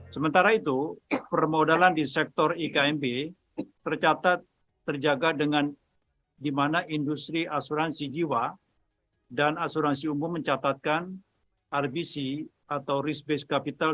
sementara itu permodalan di sektor ikmb tercatat terjaga dengan di mana industri asuransi jiwa dan asuransi umum mencatatkan rbc atau risk based capital